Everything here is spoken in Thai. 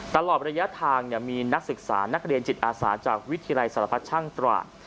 ตลอดระยะทางมีนักศึกษานักเรียนจิตอาสาจากวิทยาลัยสารพัดช่างตราด